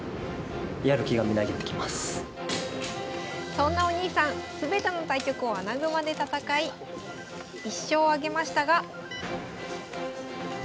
そんなお兄さん全ての対局を穴熊で戦い１勝を挙げましたが。